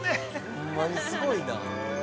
ホンマにすごいな。